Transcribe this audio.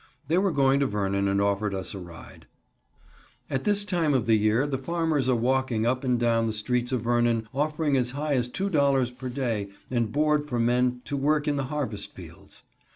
They were going to Vernon and offered us a ride. At this time of the year the farmers are walking up and down the streets of Vernon offering as high as $2.00 per day and board for men to work in the harvest fields.